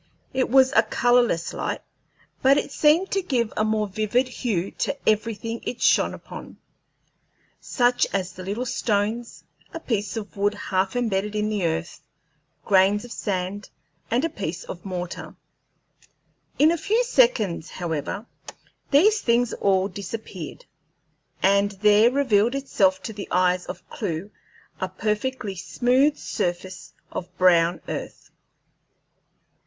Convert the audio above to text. It was a colorless light, but it seemed to give a more vivid hue to everything it shone upon such as the little stones, a piece of wood half embedded in the earth, grains of sand, and pieces of mortar. In a few seconds, however, these things all disappeared, and there revealed itself to the eyes of Clewe a perfectly smooth surface of brown earth.